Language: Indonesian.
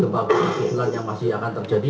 gempa gempa susulan yang masih akan terjadi